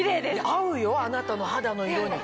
合うよあなたの肌の色に。